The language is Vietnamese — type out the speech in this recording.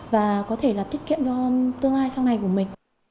và có thể là tiết kiệm cho tương lai sau này của mình